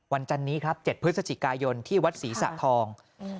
จันนี้ครับ๗พฤศจิกายนที่วัดศรีสะทอง